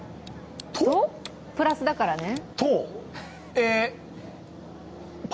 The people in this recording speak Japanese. プラスだからね。